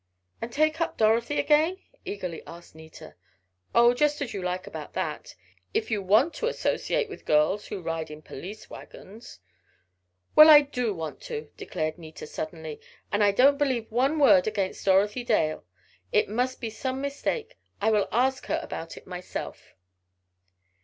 "And take up Dorothy again?" eagerly asked Nita. "Oh, just as you like about that. If you want to associate with girls who ride in police wagons " "Well, I do want to!" declared Nita, suddenly. "And I don't believe one word against Dorothy Dale. It must be some mistake. I will ask her about it myself."